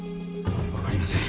分かりません。